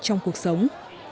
trong cuộc sống